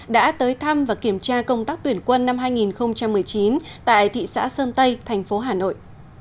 đã tới thăm và kiểm tra công tác tuyển quân năm hai nghìn một mươi chín tại thị xã sơn tây thành phố hà nội